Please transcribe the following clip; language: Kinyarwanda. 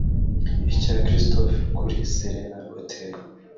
icya Christopher kuri Serena Hotel